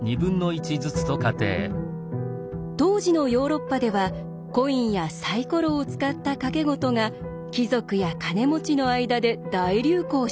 当時のヨーロッパではコインやサイコロを使った賭け事が貴族や金持ちの間で大流行していました。